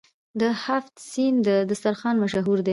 د هفت سین دسترخان مشهور دی.